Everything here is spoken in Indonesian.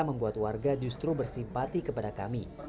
membuat warga justru bersimpati kepada kami